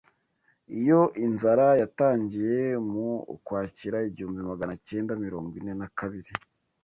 Iyo inzara yatangiye mu Ukwakira igihumbi Magana acyenda mirongo ine nakabiri